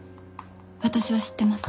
私は知ってます。